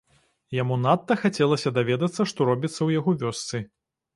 Яму надта хацелася даведацца, што робіцца ў яго вёсцы.